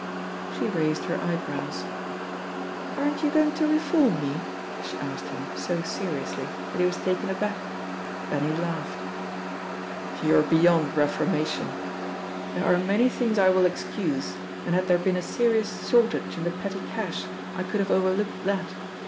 She raised her eyebrows. "Aren't you going to reform me?" she asked him so seriously that he was taken aback. Then he laughed. "You're beyond reformation. There are many things I will excuse, and had there been a serious shortage in the petty cash, I could have overlooked that.